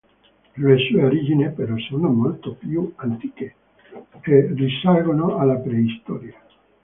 Le sue origini però sono molto più antiche e risalgono alla preistoria.